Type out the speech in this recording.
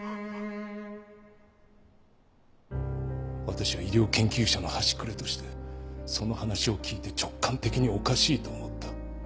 私は医療研究者の端くれとしてその話を聞いて直感的におかしいと思った。